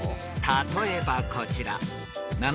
［例えばこちら］